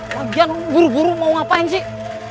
bagian buru buru mau ngapain sih